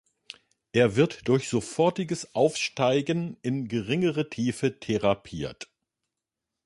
Er wird durch sofortiges Aufsteigen in geringere Tiefe therapiert.